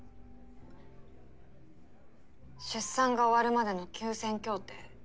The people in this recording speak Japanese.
出産が終わるまでの休戦協定。